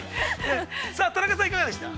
◆田中さん、いかがでした？